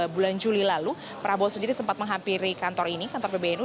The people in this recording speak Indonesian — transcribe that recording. bulan juli lalu prabowo sendiri sempat menghampiri kantor ini kantor pbnu